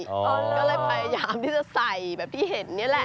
ก็เลยพยายามที่จะใส่แบบที่เห็นนี่แหละ